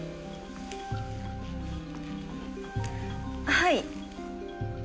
はい。